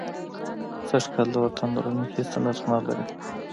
سږ کال د وطن رومي هېڅ نرخ نه لري.